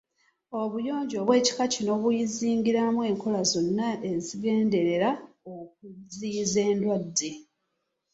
Obuyonjo obw'ekika kino buzingiramu enkola zonna ezigenderera okuziyiza endwadde.